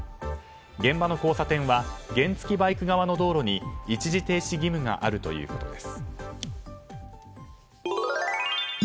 現場の交差点は原付きバイク側の道路に一時停止義務があるということです。